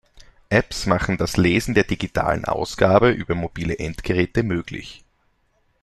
Apps machen das Lesen der digitalen Ausgabe über mobile Endgeräte möglich.